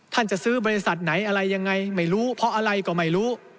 จะซื้อบริษัทไหนอะไรยังไงไม่รู้เพราะอะไรก็ไม่รู้